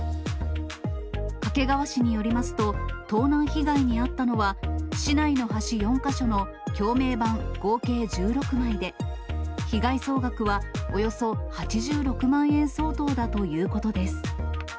掛川市によりますと、盗難被害に遭ったのは、市内の橋４か所の橋名板合計１６枚で、被害総額はおよそ８６万円相当だということです。